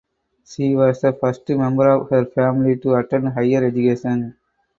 She was the first member of her family to attend higher education.